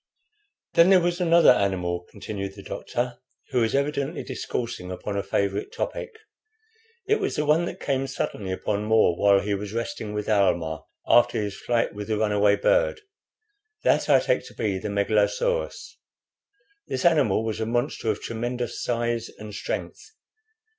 "Then there was another animal," continued the doctor, who was evidently discoursing upon a favorite topic. "It was the one that came suddenly upon More while he was resting with Almah after his flight with the run away bird. That I take to be the Megalosaurus. This animal was a monster of tremendous size and strength.